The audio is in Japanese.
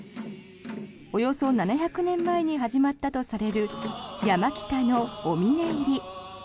およそ７００年前に始まったとされる山北のお峰入り。